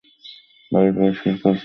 বাড়ি পরিষ্কার করছ?